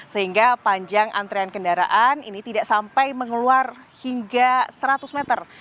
sehingga panjang antrean kendaraan ini tidak sampai mengeluarkan hingga seratus meter